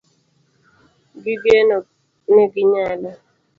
Gi geno ni ginyalo